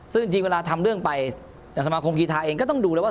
ซึ่งจริงเวลาทำเรื่องไปแต่สมาคมกีธาเองก็ต้องดูแล้วว่า